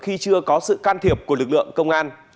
khi chưa có sự can thiệp của lực lượng công an